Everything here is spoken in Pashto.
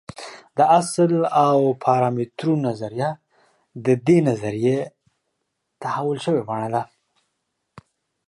د اصل او پارامترونو نظریه د دې نظریې تحول شوې بڼه ده.